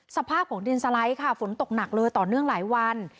สภาพของดินสไลด์ค่ะฝนตกหนักเลยต่อเนื่องหลายวัน